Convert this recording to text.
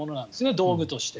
道具として。